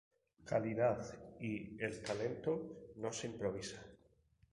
Calidad y el talento no se improvisa.